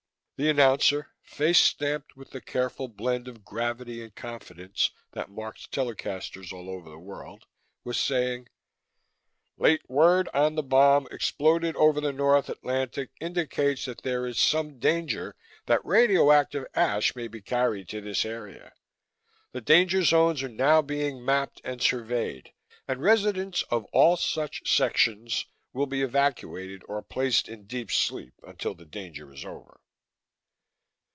The announcer, face stamped with the careful blend of gravity and confidence that marks tele casters all over the world, was saying: "Late word on the bomb exploded over the North Atlantic indicates that there is some danger that radioactive ash may be carried to this area. The danger zones are now being mapped and surveyed, and residents of all such sections will be evacuated or placed in deep sleep until the danger is over.